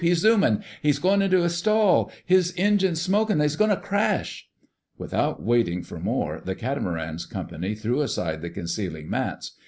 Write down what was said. "He's zoomin'.... He's goin' into a stall.... His engine's smokin' and he's goin' to crash!" Without waiting for more, the catamaran's company threw aside the concealing mats.